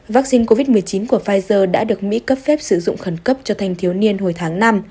vaccine covid một mươi chín của pfizer đã được mỹ cấp phép sử dụng khẩn cấp cho thanh thiếu niên hồi tháng năm